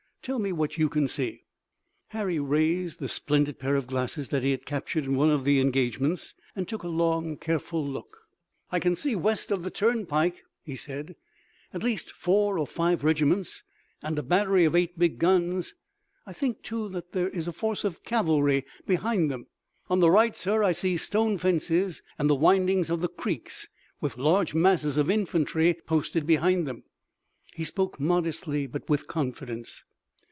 Tell me what you can see." Harry raised the splendid pair of glasses that he had captured in one of the engagements and took a long, careful look. "I can see west of the turnpike," he said, "at least four or five regiments and a battery of eight big guns. I think, too, that there is a force of cavalry behind them. On the right, sir, I see stone fences and the windings of the creeks with large masses of infantry posted behind them." He spoke modestly, but with confidence.